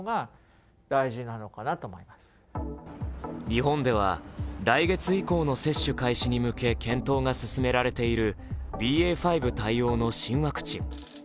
日本では来月以降の接種開始に向け検討が進められているＢＡ．５対応の新ワクチン。